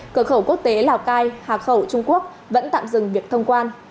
cửa khẩu quốc tế lào cai hà khẩu trung quốc vẫn tạm dừng việc thông quan